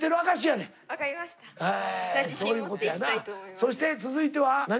そして続いては何？